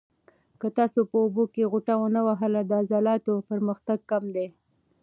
که تاسو په اوبو کې غوټه ونه وهل، د عضلاتو پرمختګ کم دی.